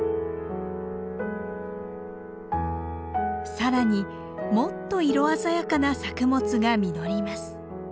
更にもっと色鮮やかな作物が実ります。